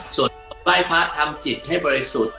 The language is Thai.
ไหว้พระทำจิตให้บริสุทธิ์